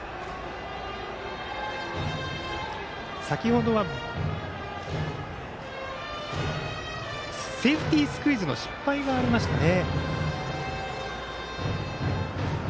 先ほどはセーフティースクイズの失敗がありましたね。